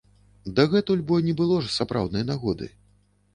Дагэтуль бо не было ж сапраўднай нагоды.